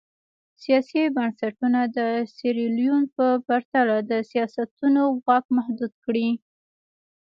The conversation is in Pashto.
سیاسي بنسټونه د سیریلیون په پرتله د سیاسیونو واک محدود کړي.